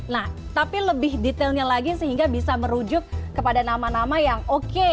nah tapi lebih detailnya lagi sehingga bisa merujuk kepada nama nama yang oke